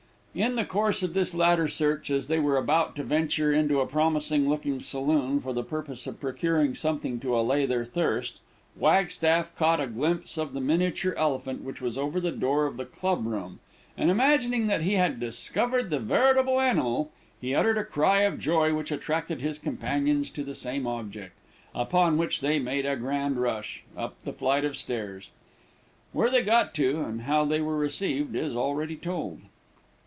In the course of this latter search, as they were about to venture into a promising looking saloon, for the purpose of procuring something to allay their thirst, Wagstaff caught a glimpse of the miniature elephant which was over the door of the club room; and imagining that he had discovered the veritable animal, he uttered a cry of joy which attracted his companions to the same object, upon which they made a grand rush up the flight of stairs. Where they got to, and how they were received, is already told.